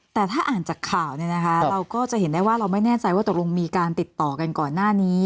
แต่ถ้าอ่านจากข่าวเนี่ยนะคะเราก็จะเห็นได้ว่าเราไม่แน่ใจว่าตกลงมีการติดต่อกันก่อนหน้านี้